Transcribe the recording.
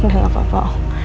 udah gak apa apa